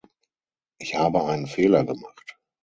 Ich habe einen Fehler gemacht.